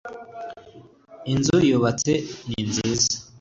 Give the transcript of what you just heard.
inzu yubatse ni nziza